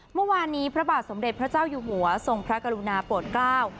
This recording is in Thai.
เมื่อวานนี้พระบาทสมเด็จพระเจ้าอยู่หัวทรงพระกรุณาโปรดเกล้า